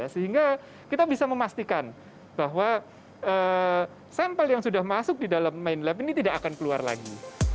sehingga kita bisa memastikan bahwa sampel yang sudah masuk di dalam main lab ini tidak akan keluar lagi